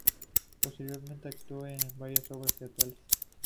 Posteriormente actuó en varias obras teatrales.